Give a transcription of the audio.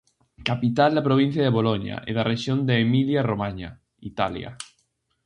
Capital da provincia de Boloña e da rexión de Emilia-Romaña, Italia.